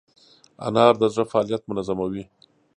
انار د زړه فعالیت منظموي.